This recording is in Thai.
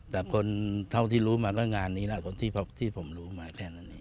แต่คนเท่าที่รู้มาก็งานนี้แหละคนที่ผมรู้มาแค่นั้นเอง